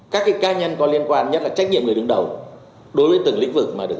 các ca nhân có liên quan nhất là trách nhiệm người đứng đầu đối với từng lĩnh vực